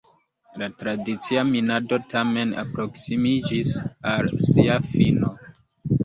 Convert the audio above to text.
La tradicia minado tamen alproksimiĝis al sia fino.